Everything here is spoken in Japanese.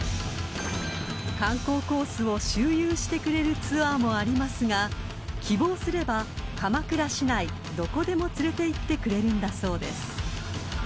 ［観光コースを周遊してくれるツアーもありますが希望すれば鎌倉市内どこでも連れていってくれるんだそうです］